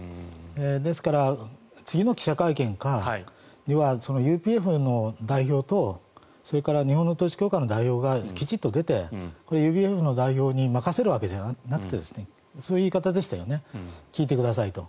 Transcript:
ですから、次の記者会見ではＵＰＦの代表とそれから日本の統一教会の代表がきちんと出てＵＰＦの代表に任せるわけではなくてそういう言い方でしたよね聞いてくださいと。